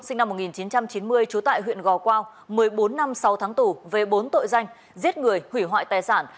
sinh năm một nghìn chín trăm chín mươi trú tại huyện gò quao một mươi bốn năm sáu tháng tù về bốn tội danh giết người hủy hoại tài sản